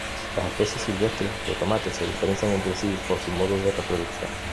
Las especies silvestres de tomate se diferencian entre sí por su modo de reproducción.